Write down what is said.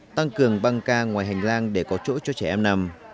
tăng cường băng ca ngoài hành lang để có chỗ cho trẻ em nằm